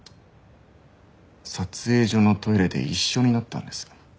撮影所のトイレで一緒になったんです。